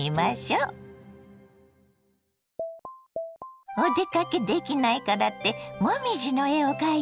お出かけできないからって紅葉の絵を描いてくれたのね。